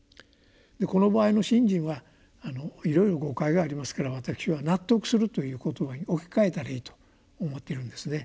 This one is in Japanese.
この場合の信心はいろいろ誤解がありますから私は「納得する」という言葉に置き換えたらいいと思っているんですね。